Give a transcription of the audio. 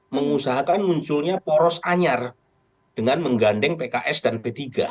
mengusahakan munculnya poros anyar dengan menggandeng pks dan p tiga